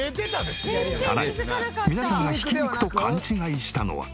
さらに皆さんが挽き肉と勘違いしたのは。